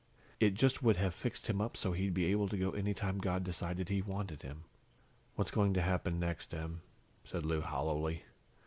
It just would have fixed him up so he'd be able to go any time God decided He wanted him." "What's going to happen next, Em?" said Lou hollowly.